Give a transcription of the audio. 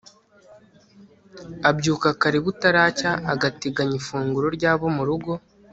abyuka kare butaracya, agateganya ifunguro ry'abo mu rugo